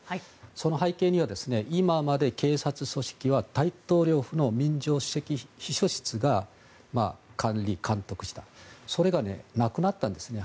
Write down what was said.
その背景には、今まで警察組織は大統領府の民情首席秘書室が管理・監督していた。それがなくなったんですね。